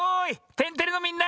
「天てれ」のみんな！